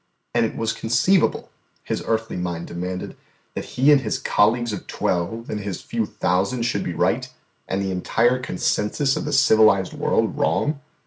And was it conceivable, His earthly mind demanded, that He and His college of twelve and His few thousands should be right, and the entire consensus of the civilised world wrong?